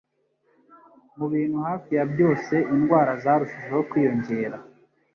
mu bintu hafi ya byose. Indwara zarushijeho kwiyongera.